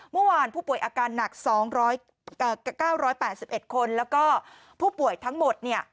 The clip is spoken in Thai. เมื่อวานผู้ป่วยอาการหนัก๒๙๘๑คนแล้วก็ผู้ป่วยทั้งหมดเนี่ย